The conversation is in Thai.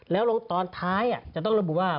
แล้วลงตอนท้ายจะต้องระบุว่า